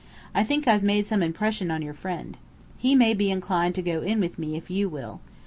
I think I've made some impression on your friend. He may be inclined to go in with me, if you will.